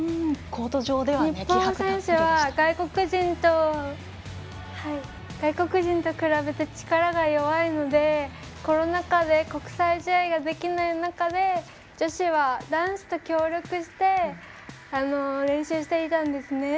日本選手は外国人と比べて力が弱いのでコロナ禍で国際試合ができない中で女子は、男子と協力して練習していたんですね。